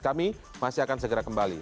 kami masih akan segera kembali